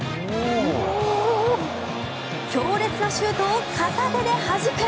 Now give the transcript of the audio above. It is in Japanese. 強烈なシュートを片手ではじく！